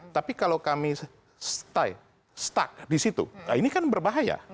tapi kalau kami stuck di situ ini kan berbahaya